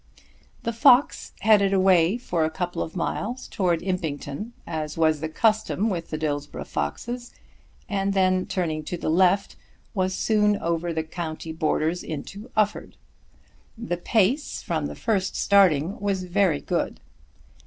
The fox headed away for a couple of miles towards Impington, as was the custom with the Dillsborough foxes, and then turning to the left was soon over the country borders into Ufford. The pace from the first starting was very good.